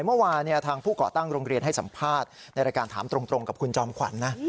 เมื่อวานทางผู้ก่อตั้งโรงเรียนให้สัมภาษณ์ในรายการถามตรงกับคุณจอมขวัญนะ